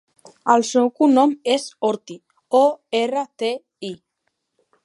El seu cognom és Orti: o, erra, te, i.